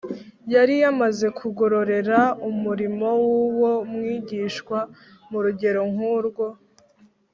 yari yamaze kugororera umurimo w’uwo mwigishwa mu rugero nk’urwo